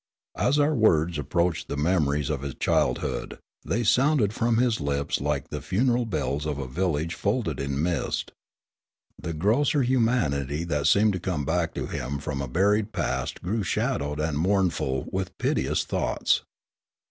As our words approached the memories of his childhood, they sounded from his lips like the funeral bells of a village folded in mist. The grosser 6 . Riallaro liumanit}' that seemed to come back to him from a buried past grew shadowed and mournful with piteous thoughts.